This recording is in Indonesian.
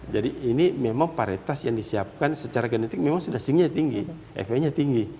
jadi ini memang paritas yang disiapkan secara genetik memang sudah singnya tinggi fe nya tinggi